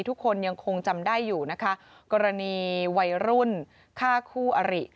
ทุกคนยังคงจำได้อยู่นะคะกรณีวัยรุ่นฆ่าคู่อริ